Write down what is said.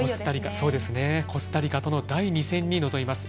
コスタリカとの第２戦に臨みます。